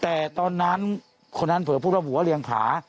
แต่ตอนนั้นคนนั้นเผลอพูดว่าผัวเรียงผา